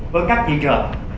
với các thị trường